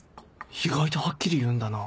意外とはっきり言うんだな